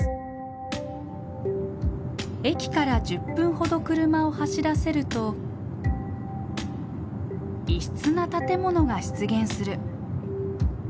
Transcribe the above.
駅から１０分ほど車を走らせると異質な建物が出現する。